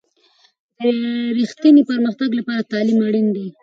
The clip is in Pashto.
د رښتیني پرمختګ لپاره تعلیم اړین دی.